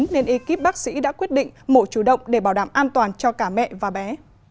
nên ekip bác sĩ đã quyết định mổ chủ động để bảo đảm an toàn cho cả mẹ và bé